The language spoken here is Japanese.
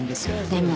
でも。